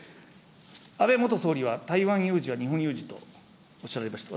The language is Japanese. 安倍元総理は台湾有事は日本有事とおっしゃられました。